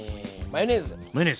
マヨネーズ。